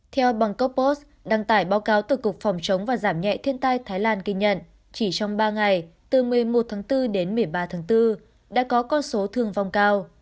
theo bang copost đăng tải báo cáo từ cục phòng chống và giảm nhẹ thiên tai thái lan ghi nhận chỉ trong ba ngày từ một mươi một tháng bốn đến một mươi ba tháng bốn đã có con số thương vong cao